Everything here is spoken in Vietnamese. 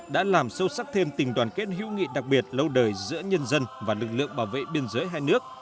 đã làm sâu sắc thêm tình đoàn kết hữu nghị đặc biệt lâu đời giữa nhân dân và lực lượng bảo vệ biên giới hai nước